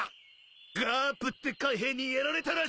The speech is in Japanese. ガープって海兵にやられたらしい！